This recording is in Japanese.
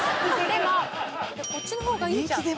でもこっちの方がいいじゃん。